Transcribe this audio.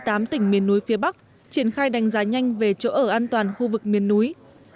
một mươi bảy trên một mươi năm tỉnh miền núi phía bắc triển khai đánh giá nhanh về chỗ ở an toàn khu vực miền núi